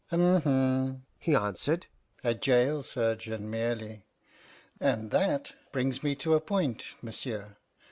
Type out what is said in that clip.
"H'm!" he answered, "a jail surgeon merely. And that brings me to a point, monsieur.